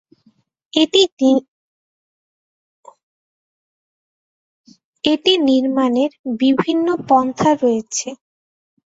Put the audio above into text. এটি নির্মাণের বিভিন্ন পন্থা রয়েছে।